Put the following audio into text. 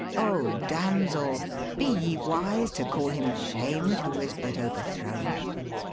' O damsel, be ye wise To call him shamed, who is but overthrown?